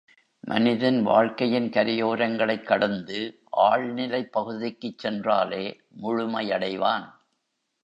மனிதன் வாழ்க்கையின் கரையோரங்களைக் கடந்து ஆழ்நிலைப் பகுதிக்குச் சென்றாலே முழுமை யடைவான்.